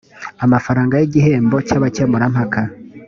amafaranga y igihembo cy abakemurampaka